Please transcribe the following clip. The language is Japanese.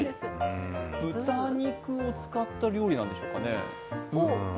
豚肉を使った料理なんでしょうかね。